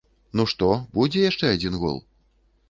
Ну што, будзе яшчэ адзін гол?